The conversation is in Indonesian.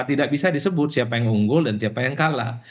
tidak bisa disebut siapa yang unggul dan siapa yang kalah